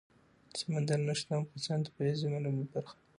سمندر نه شتون د افغانستان د طبیعي زیرمو برخه ده.